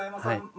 はい。